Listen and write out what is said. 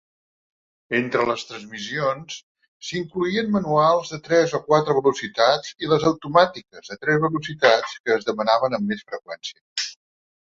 Entre les transmissions s"hi incloïen manuals de tres o quatre velocitats i les automàtiques de tres velocitats que es demanaven amb més freqüència.